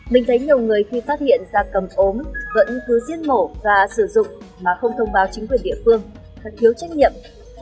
mình thấy nhiều người khi phát hiện da cầm ốm vẫn cứ giết mổ và sử dụng mà không thông báo chính quyền địa phương thật thiếu trách nhiệm